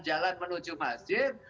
jalan menuju masjid